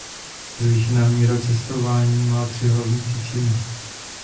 Zvýšená míra cestování má tři hlavní příčiny.